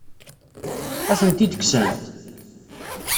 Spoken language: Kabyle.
Ad tent-id-kksent?